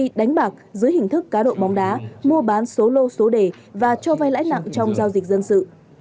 hành vi đánh bạc dưới hình thức cá độ bóng đá mua bán số lô số đề và cho vay lãi nặng trong giao dịch dân sự